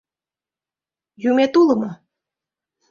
Юмет уло мо?